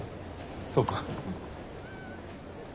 そうか。